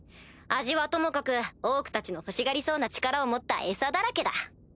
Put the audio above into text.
味はともかくオークたちの欲しがりそうな力を持った餌だらけだ。